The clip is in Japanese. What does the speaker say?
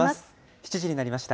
７時になりました。